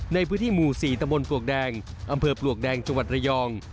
ในพื้นที่หมู่๔ตะบนปลวกแดงอำเภอปลวกแดงจังหวัดระยอง